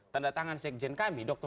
tanda tangan sekjen kami dr